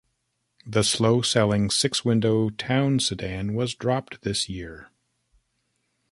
The slow-selling six-window Town Sedan was dropped this year.